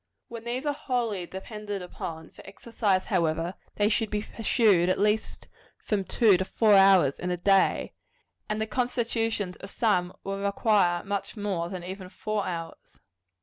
When these are wholly depended upon for exercise, however, they should be pursued at least from two to four hours in a day; and the constitutions of some will require much more than even four hours.